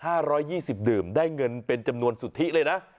ร้อยยี่สิบดื่มได้เงินเป็นจำนวนสุทธิเลยนะ